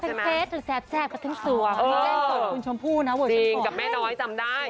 เพลงเฟสหรือแซ่บแซ่บก็ทั้งส่วนเออแจ้งต่อคุณชมพู่นะจริงกับแม่น้อยจำได้